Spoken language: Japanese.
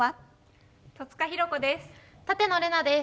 戸塚寛子です。